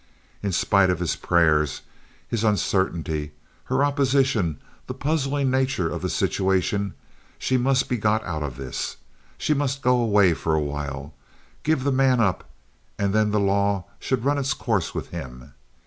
In spite of his prayers, his uncertainty, her opposition, the puzzling nature of the situation, she must be got out of this. She must go away for a while, give the man up, and then the law should run its course with him.